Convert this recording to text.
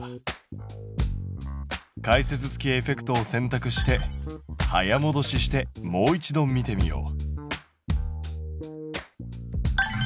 解説付きエフェクトを選択して早もどししてもう一度見てみよう。